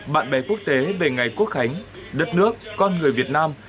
bạn bè quốc tế về ngày quốc khánh đất nước con người việt nam